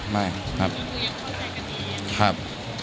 คุณสัมผัสดีครับ